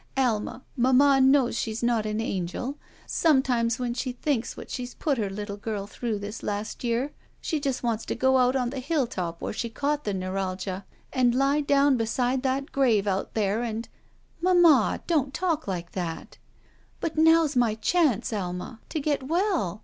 Alma, mamma knows she's not an angel. Sometimes when she thinks what she's put her little girl through this last year she just wants to go out on the hilltop where she caught the neuralgia and lie down beside that grave out there and —" *'Mamma, don't talk like that!" "But now's my chance, Alma, to get well.